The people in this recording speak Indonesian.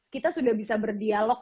kita sudah bisa berdialog